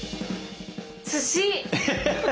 すし！